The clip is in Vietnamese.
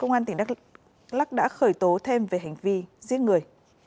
bác đã khởi tố thêm về hành vi giết người